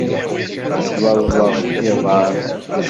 Slaẓeɣ iḍan.